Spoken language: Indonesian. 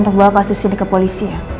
untuk bawa kasus ini ke polisi ya